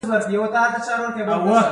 یو ماشوم ورته د خزانې خبر ورکوي.